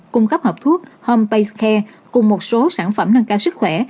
cung cấp hợp thuốc home base care cùng một số sản phẩm nâng cao sức khỏe